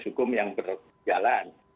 hukum yang berjalan